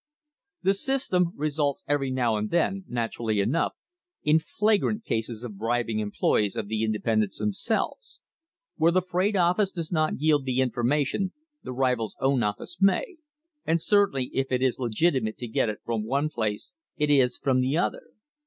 The system results every now and then, naturally enough, in flagrant cases of bribing employees of the independents themselves. Where the freight office does not yield the infor mation, the rival's own office may, and certainly if it is legiti mate to get it from one place it is from the other.